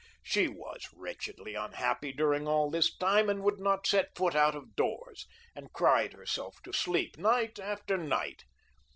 She was wretchedly unhappy during all this time; would not set foot out of doors, and cried herself to sleep night after night.